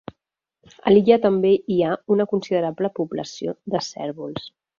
A l'illa també hi ha una considerable població de cérvols.